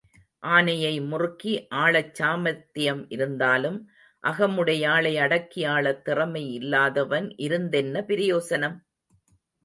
ஆனையை முறுக்கி ஆளச் சாமர்த்தியம் இருந்தாலும் அகமுடையாளை அடக்கி ஆளத் திறமை இல்லாதவன் இருந்தென்ன பிரயோசனம்?